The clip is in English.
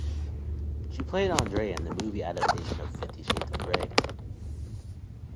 She played Andrea in the movie adaptation of "Fifty Shades of Grey".